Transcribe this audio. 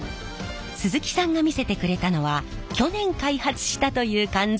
鈴木さんが見せてくれたのは去年開発したという缶詰。